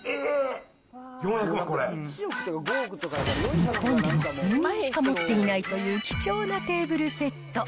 日本でも数人しか持っていないという貴重なテーブルセット。